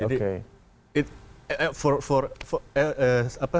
jadi it for for apa sama seperti